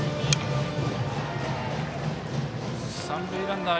三塁ランナー